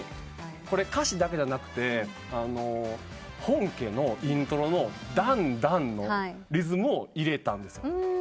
これ歌詞だけじゃなくて本家のイントロの「ダンダン」のリズムを入れたんですよ。